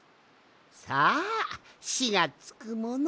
さあ「し」がつくもの